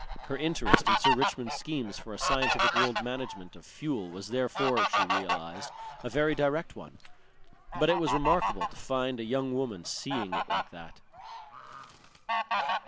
Her interest in Sir Richmond's schemes for a scientific world management of fuel was therefore, she realized, a very direct one. But it was remarkable to find a young woman seeing it like that.